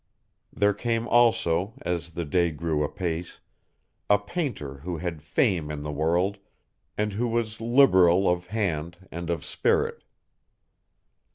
There came also, as the day grew apace, a painter who had fame in the world, and who was liberal of hand and of spirit.